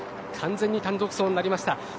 完全に単独走になりました。